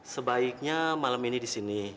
sebaiknya malam ini di sini